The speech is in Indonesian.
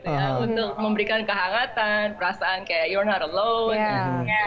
untuk memberikan kehangatan perasaan kayak you're not alone